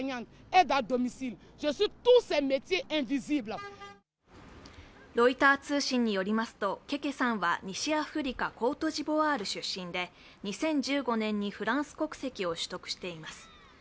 ロイター通信によりますとケケさんは西アフリカコートジボワール出身で２０１５年にフランス国籍を取得しています。